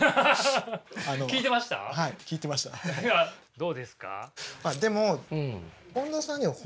どうですか？